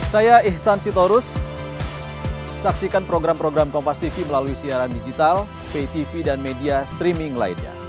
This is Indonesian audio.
saya ihsan sitorus saksikan program program kompastv melalui siaran digital ptv dan media streaming lainnya